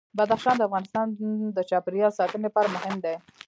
بدخشان د افغانستان د چاپیریال ساتنې لپاره مهم دي.